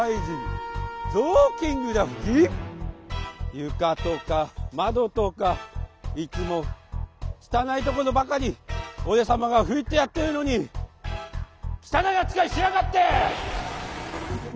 ゆかとかまどとかいつもきたないところばかりおれさまがふいてやってるのにきたないあつかいしやがって！